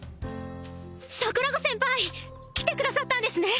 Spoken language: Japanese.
桜子先輩来てくださったんですね！